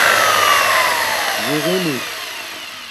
ژِغئ نی